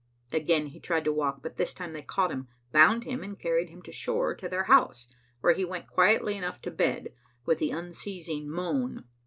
Again he tried to walk, but this time they caught him, bound him, and carried him to shore, to their house, where he went quietly enough to bed, with the unceasing moan.